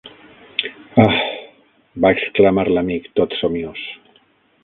-Ah!- va exclamar l'amic tot somiós.